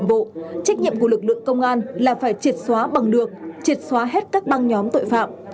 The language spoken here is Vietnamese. bộ trách nhiệm của lực lượng công an là phải triệt xóa bằng được triệt xóa hết các băng nhóm tội phạm